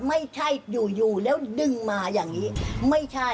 ไม่ใช่อยู่อยู่แล้วดึงมาอย่างนี้ไม่ใช่